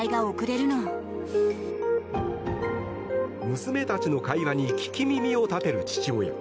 娘たちの会話に聞き耳を立てる父親。